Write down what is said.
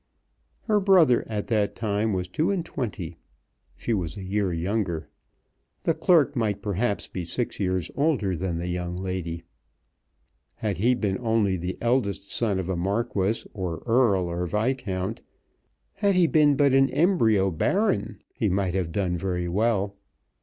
Her brother at that time was two and twenty. She was a year younger. The clerk might perhaps be six years older than the young lady. Had he only been the eldest son of a Marquis, or Earl, or Viscount; had he been but an embryo Baron, he might have done very well.